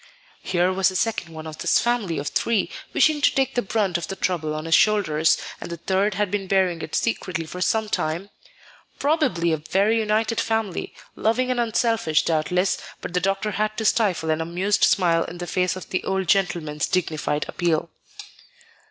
Here was a second one of this family of three wishing to take the brunt of the trouble on his shoulders, and the third had been bearing it secretly for some time. Probably a very united family, loving and unselfish doubtless, but the doctor had to stifle an amused smile in the face of the old gentleman's dignified appeal.